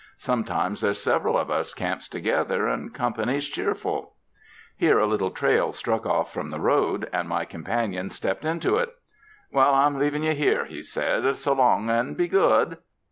Sometimes there's several of us camps together, and company's cheer ful." Here a little trail struck off from the road, and my companion stepped into it. "Well, I'm leavin' you here," he said, "solong and be good."